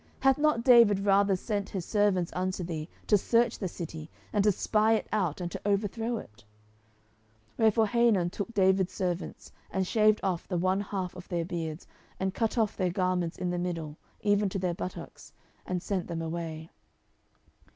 hath not David rather sent his servants unto thee, to search the city, and to spy it out, and to overthrow it? 10:010:004 Wherefore Hanun took David's servants, and shaved off the one half of their beards, and cut off their garments in the middle, even to their buttocks, and sent them away.